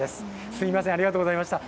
すみません、ありがとうございました。